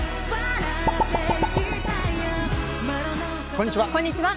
こんにちは。